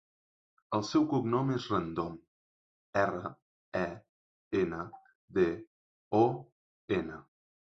El seu cognom és Rendon: erra, e, ena, de, o, ena.